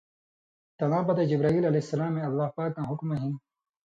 تلاں پتَیں جبرائیل علیہ السلامے اللہ پاکاں حُکمہ ہِن